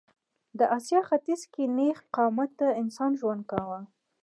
د اسیا ختیځ کې نېغ قامته انسان ژوند کاوه.